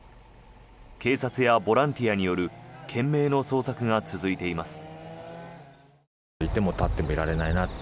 警察やボランティアによる懸命の捜索が続いています。